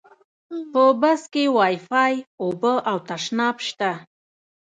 په بس کې وایفای، اوبه او تشناب شته.